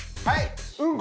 はい。